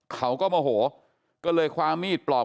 เขาก็โมโหก็เลยคว้ามีดปลอบ